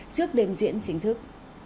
trước đêm diễn chính thức